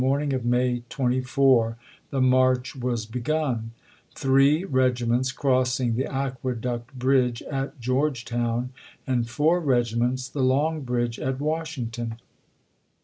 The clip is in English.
morning of May 24, the march was begun ; three regiments crossing the Aqueduct Bridge at George town, and four regiments the Long Bridge at WashiDgton.